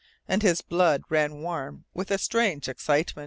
And his blood ran warm with a strange excitement.